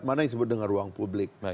mana yang disebut dengan ruang publik